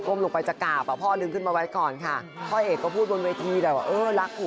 พ่อไม่ได้วางแผนไว้ก่อนร่วงหน้าแล้วก็ไม่มีใครบอกกู